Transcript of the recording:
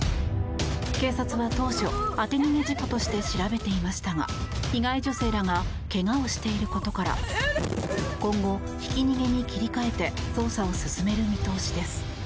警察は当初、当て逃げ事故として調べていましたが被害女性らが怪我をしていることから今後、ひき逃げに切り替えて捜査を進める見通しです。